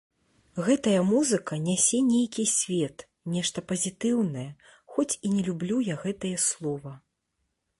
Гэтая музыка нясе нейкі свет, нешта пазітыўнае, хоць і не люблю я гэтае слова.